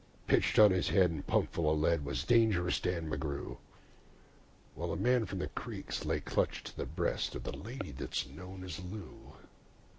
Pitched on his head, and pumped full of lead, was Dangerous Dan McGrew, While the man from the creeks lay clutched to the breast of the lady that's known as Lou.